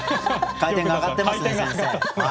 回転が上がってますね先生。